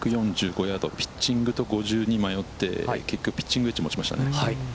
１４５ヤード、ピッチングと迷って、結局、ピッチングウェッジを持ちましたね。